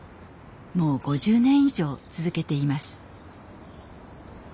もう５０年以上続けています。